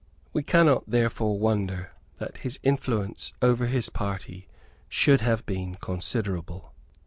We cannot therefore wonder that his influence over his party should have been considerable.